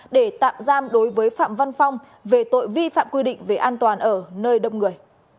để tạm giam đối với phạm văn phong về tội vi phạm quy định về an toàn ở nơi đông người